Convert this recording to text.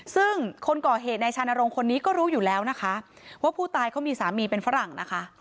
ซึ่งคนก่อเหตุในชานรงค์คนนี้ก็รู้อยู่แล้วนะคะว่าผู้ตายเขามีสามีเป็นฝรั่งนะคะ